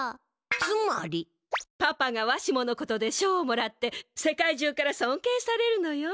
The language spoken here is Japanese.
つまり？パパがわしものことで賞をもらって世界中からそんけいされるのよ。